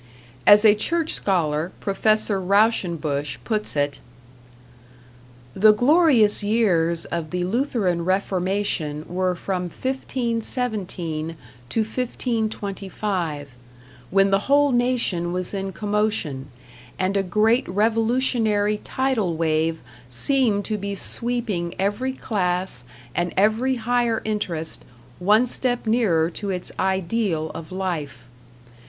As a church scholar, Prof. Rauschenbusch, puts it: The glorious years of the Lutheran Reformation were from 1517 to 1525, when the whole nation was in commotion, and a great revolutionary tidal wave seemed to be sweeping every class and every higher interest one step nearer to its ideal of life....